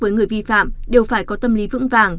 với người vi phạm đều phải có tâm lý vững vàng